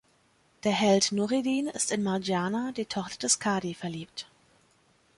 Der Held, Nureddin, ist in Margiana, die Tochter des Cadi, verliebt.